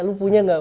lu punya gak